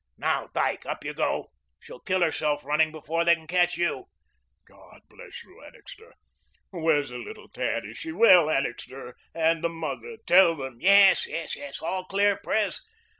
Now, Dyke, up you go. She'll kill herself running before they can catch you." "God bless you, Annixter. Where's the little tad? Is she well, Annixter, and the mother? Tell them " "Yes, yes, yes. All clear, Pres?